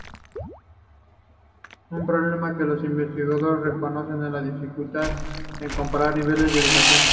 Un problema que los investigadores reconocen es la dificultad en comparar niveles de educación.